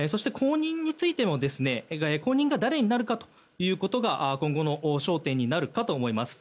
そして、後任が誰になるかということが今後の焦点になるかと思います。